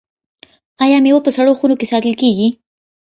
آیا میوه په سړو خونو کې ساتل کیږي؟